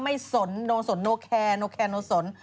ไม่สนโนสนโนแครโนแครโนสน